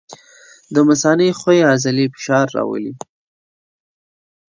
د مثانې ښویې عضلې فشار راولي.